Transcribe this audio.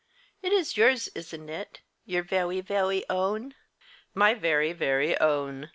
It is yours, isn't it your veway, veway own?" "My very, very own.